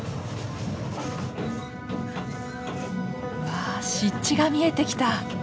わあ湿地が見えてきた！